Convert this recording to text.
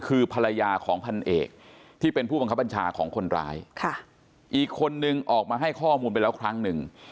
คือภรรยาของพันเอกที่เป็นผู้บังคับบัญชาของคนร้ายค่ะอีกคนนึงออกมาให้ข้อมูลไปแล้วครั้งหนึ่ง